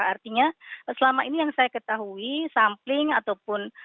artinya selama ini yang saya ketahui sampling ataupun